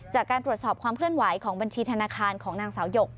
จากการตรวจสอบความเคลื่อนไหวของบัญชีธนาคารของนางสาวหยก